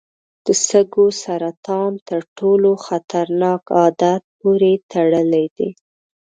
د سږو سرطان تر ټولو خطرناک عادت پورې تړلی دی.